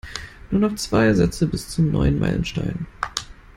Nur noch zwei Sätze bis zum neuen Meilenstein.